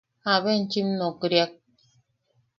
–¿Jabe enchim nokriak?